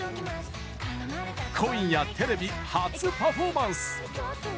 今夜、テレビ初パフォーマンス！